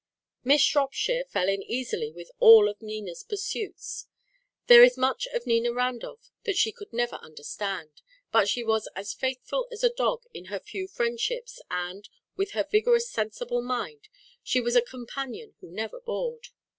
Miss Shropshire fell in easily with all of Nina's pursuits. There was much of Nina Randolph that she could never understand; but she was as faithful as a dog in her few friendships and, with her vigorous sensible mind, she was a companion who never bored.